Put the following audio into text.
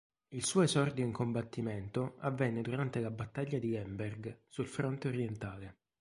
Il suo esordio in combattimento avvenne durante la battaglia di Lemberg, sul fronte orientale.